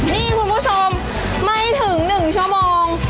นี่คุณผู้ชมไม่ถึง๑ชั่วโมง